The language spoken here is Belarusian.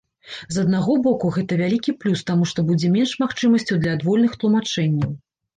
З аднаго боку, гэта вялікі плюс, таму што будзе менш магчымасцяў для адвольных тлумачэнняў.